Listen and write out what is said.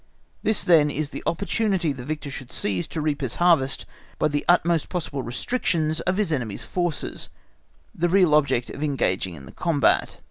This then is the opportunity the victor should seize to reap his harvest by the utmost possible restrictions of his enemy's forces, the real object of engaging in the combat.